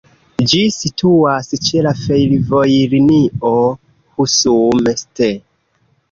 Ĝi situas ĉe la fervojlinio Husum-St.